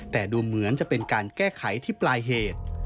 แต่ดูเหมือนจะเป็นการแก้ไขที่ปลายเหตุ